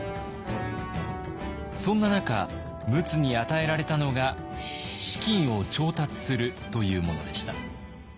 そんな中陸奥に与えられたのが資金を調達するというものでした。